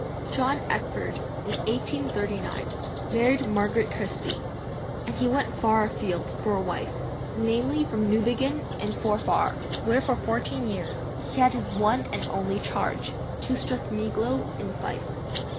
John Eckford in 1839 married Margaret Christie, and he went far afield for a wife, namely from Newbiggin in Forfar, where for fourteen years he had his one and only charge, to Strathmiglo in Fife.